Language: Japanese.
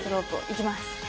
いきます！